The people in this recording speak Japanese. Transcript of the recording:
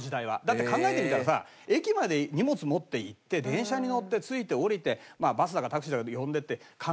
だって考えてみたらさ駅まで荷物持って行って電車に乗って着いて降りてバスだかタクシーだか呼んでって考えたら大変じゃない？